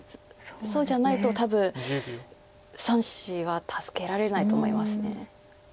そうじゃないと多分３子は助けられないと思います。